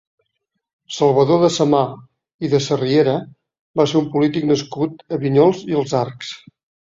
Salvador de Samà i de Sarriera va ser un polític nascut a Vinyols i els Arcs.